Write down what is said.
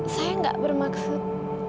saya gak bermaksud